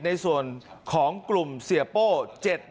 ในส่วนของกลุ่มเสียโป้๗หมายจับ